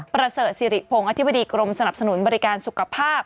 ประเสริฐสิริพงศ์อธิบดีกรมสนับสนุนบริการสุขภาพ